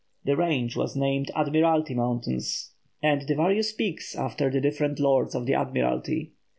The range was named Admiralty Mountains, and the various peaks after the different Lords of the Admiralty.